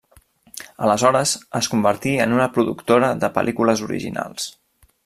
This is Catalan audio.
Aleshores, es convertí una productora de pel·lícules originals.